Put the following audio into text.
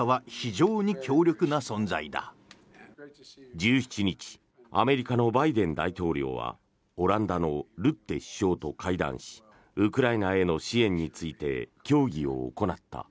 １７日アメリカのバイデン大統領はオランダのルッテ首相と会談しウクライナへの支援について協議を行った。